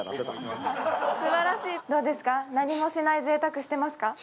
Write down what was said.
どうですか、何もしないぜいたく、してますか？